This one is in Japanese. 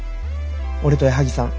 俺と矢作さん